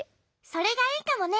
それがいいかもね。